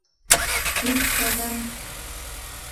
Һин, ҡыҙым...